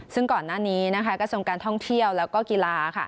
ซึ่งก่อนหน้านี้กระทรวงการท่องเที่ยวแล้วก็กีฬา